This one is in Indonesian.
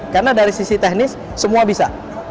karena dari sisi teknis semua bisa